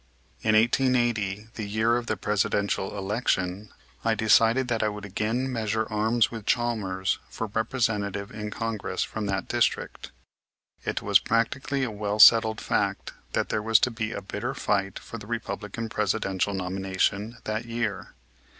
In 1880, the year of the Presidential election, I decided that I would again measure arms with Chalmers for Representative in Congress from that district. It was practically a well settled fact that there was to be a bitter fight for the Republican Presidential nomination that year.